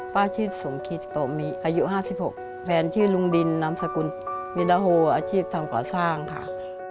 ป้าชื่อสมคิตโตมีอายุ๕๖แฟนชื่อลุงดินนามสกุลมิดาโฮอาชีพทำก่อสร้างค่ะ